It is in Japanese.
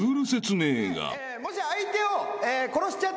もし相手を。